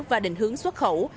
và định hướng xuất khẩu